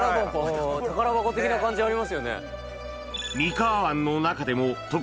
宝箱的な感じありますよね。